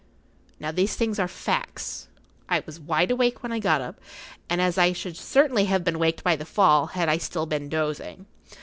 Now these things are facts. I was wide awake when I got up, and I should certainly have been waked by the fall had I still been dozing.